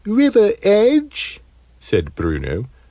"River edge?" said Bruno.